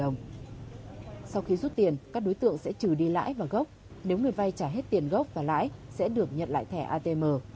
nếu người vay trả hết tiền gốc và lãi sẽ được nhận lại thẻ atm